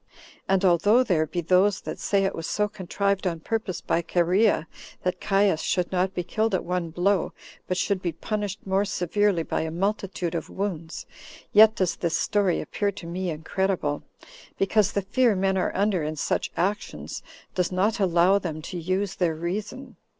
And although there be those that say it was so contrived on purpose by Chorea, that Caius should not be killed at one blow, but should be punished more severely by a multitude of wounds; yet does this story appear to me incredible, because the fear men are under in such actions does not allow them to use their reason.